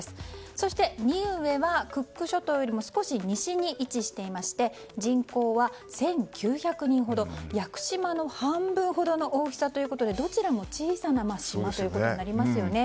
そして、ニウエはクック諸島よりも少し西に位置していまして人口は１９００人ほどで屋久島の半分ほどの大きさということでどちらも小さな島ということになりますね。